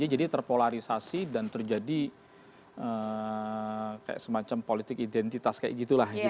jadi terpolarisasi dan terjadi semacam politik identitas kayak gitu lah